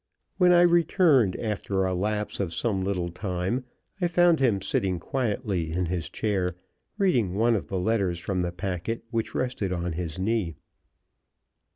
When I returned after a lapse of some little time, I found him sitting quietly in his chair, reading one of the letters from the packet which rested on his knee.